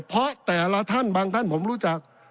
เพราะแต่ละท่านบางท่านผมรู้จัก